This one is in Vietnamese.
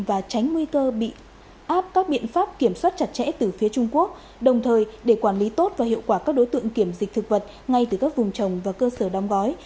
và tránh nguy cơ bị áp các biện pháp kiểm soát chặt chẽ từ phía trung quốc đồng thời để quản lý tốt và hiệu quả các đối tượng kiểm dịch thực vật ngay từ các vùng trồng và cơ sở đóng gói